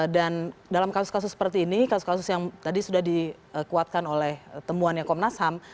dan dalam kasus kasus seperti ini kasus kasus yang tadi sudah dikuatkan oleh temuannya komnas ham